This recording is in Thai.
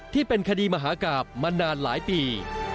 ที่เป็นคดีมหากราบมานานหลายปี